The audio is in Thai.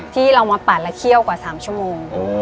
ที่เรามาปัดและเคี่ยวกว่า๓ชั่วโมง